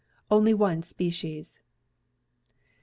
Only one species. 2.